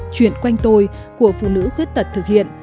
chuyện quanh tôi của phụ nữ khuyết tật thực hiện